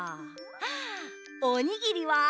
あおにぎりは？